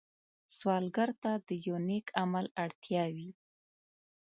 سوالګر ته د یو نېک عمل اړتیا وي